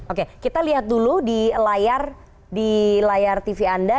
oke kita lihat dulu di layar tv anda